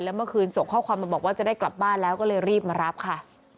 เมื่อคืนส่งข้อความมาบอกว่าจะได้กลับบ้านแล้วก็เลยรีบมารับค่ะ